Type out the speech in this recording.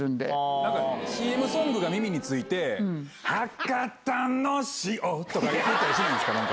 なんかＣＭソングが耳について、伯方の塩とか歌ったりしないんですか？